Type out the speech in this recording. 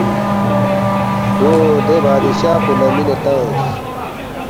دو دے بادشاہ پو لہ مِنے تنگس